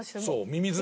「ミミズ」？